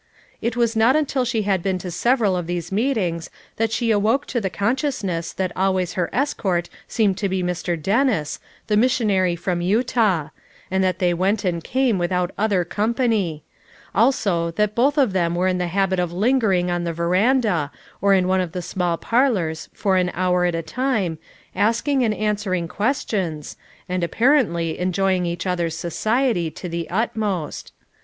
It was not until she had been to several of these meetings that she awoke to the consciousness that always her escort seemed to be Mr. Dennis, the mis sionary from Utah, and that they went and came without other company; also that both of them were in the habit of lingering on the veranda or in one of the small parlors for an hour at a time, asking and answering ques tions, and apparently enjoying each other's society to the utmost.